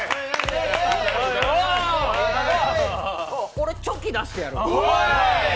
俺、チョキ出してやる。